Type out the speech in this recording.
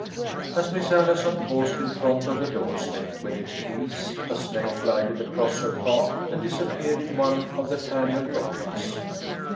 As Miss Allison paused in front of the doorstep with the keys, a snake glided across her path and disappeared in one of the tangled rockeries.